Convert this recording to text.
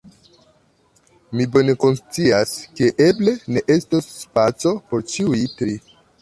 Mi bone konscias, ke eble ne estos spaco por ĉiuj tri.